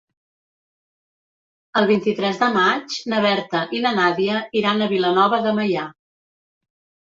El vint-i-tres de maig na Berta i na Nàdia iran a Vilanova de Meià.